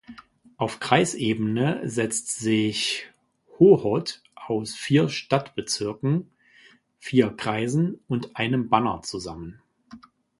Auf Kreisebene setzt sich Hohhot aus vier Stadtbezirken, vier Kreisen und einem Banner zusammen.